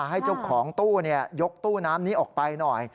ให้เจ้าของตู้ยกตู้น้ำนี้ออกไปหน่อย